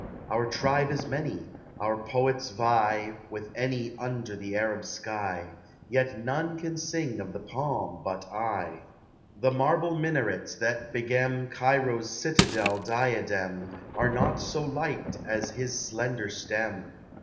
Our tribe is many, our |»<><'is \ ie With any under the Arab si 3 ; Vet none can sing of the palm l"H 1. 228 POEMS OF XATUBE. The marble minarets that begem Cairo's eitadel diadem Are not so light as his slender stem.